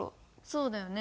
そうだよね。